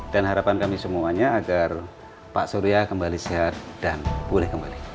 dan harapan kami semuanya agar pak surya kembali sehat dan boleh kembali